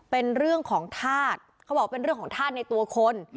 เป็นเรื่องของธาตุเขาบอกเป็นเรื่องของธาตุในตัวคน